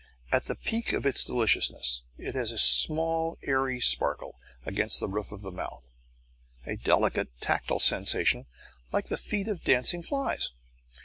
At the peak of its deliciousness it has a small, airy sparkle against the roof of the mouth, a delicate tactile sensation like the feet of dancing flies.